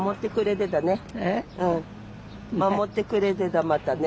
守ってくれてたまだね。